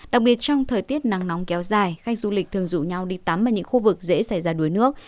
đặc biệt trong thời tiết nắng nóng kéo dài khách du lịch thường rủ nhau đi tắm ở những khu vực dễ xảy ra đuối nước